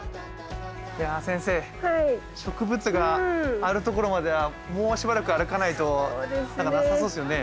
いや先生植物があるところまではもうしばらく歩かないとなさそうですよね。